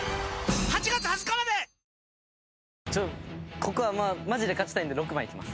ここはマジで勝ちたいんで６番いきます。